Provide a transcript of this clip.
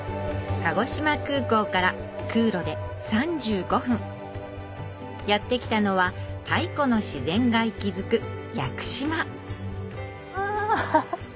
鹿児島空港から空路で３５分やって来たのは太古の自然が息づくあ。